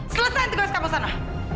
selesain tugas kamu sana